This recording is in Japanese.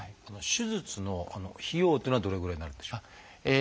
手術の費用というのはどれぐらいになるんでしょう？